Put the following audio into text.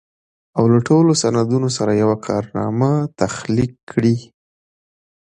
او له ټولو سندونو سره يوه کارنامه تخليق کړي.